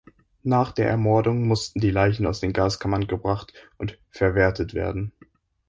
Nach der Ermordung mussten die Leichen aus den Gaskammern gebracht und „verwertet“ werden.